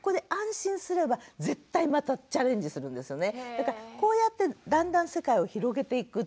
だからこうやってだんだん世界を広げていく。